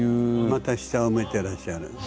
また下を向いてらっしゃる。